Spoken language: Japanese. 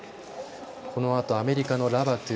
このあとアメリカのラバトゥ。